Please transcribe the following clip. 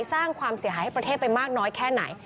สร้างความเสียหายให้ประเทศไปมากน้อยแค่ไหน